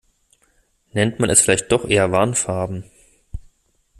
Nennt man es vielleicht doch eher Warnfarben.